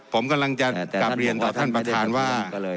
ผมกำลังจะกลับเรียนต่อท่านประธานว่า